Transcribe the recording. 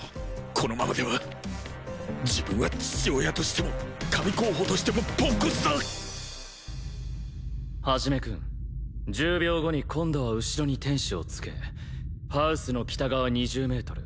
このままでは自分は父親としても神候補としてもポンコツだ一君１０秒後に今度は後ろに天使をつけハウスの北側２０メートル